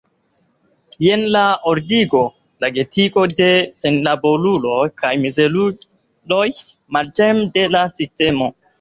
Jen la ordigo, la gettigo de senlaboruloj kaj mizeruloj marĝene de la sistemo.